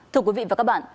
thưa quý vị và các bạn